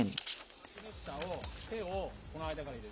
わきの下を、手を、この間から入れる。